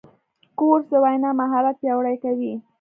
کورس د وینا مهارت پیاوړی کوي.